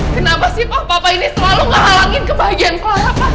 kenapa sih pak papa ini selalu ngehalangin kebahagiaan clara pak